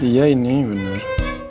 iya ini benar